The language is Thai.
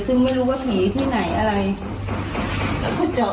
ซึ่งไม่รู้ว่าผีที่ไหนอะไรแล้วก็เจาะเขาให้เจาะหรอ